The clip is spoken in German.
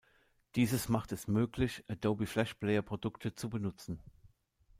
Dieses macht es möglich, Adobe Flash Player Produkte zu benutzen.